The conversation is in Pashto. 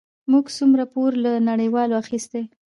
موږ څومره پور له نړیوالو اخیستی؟